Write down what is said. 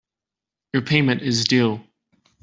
Your payment is due.